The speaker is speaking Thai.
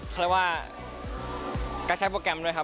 คือว่าการใช้โปรแกรมด้วยครับ